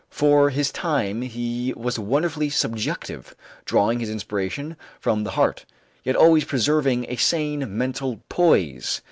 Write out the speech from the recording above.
For his time he was wonderfully "subjective," drawing his inspiration from the heart, yet always preserving a sane mental poise.